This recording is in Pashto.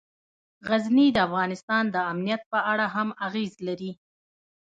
غزني د افغانستان د امنیت په اړه هم اغېز لري.